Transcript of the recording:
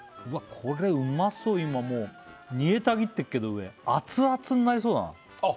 これうまそう今もう煮えたぎってっけど上熱々になりそうだなあっ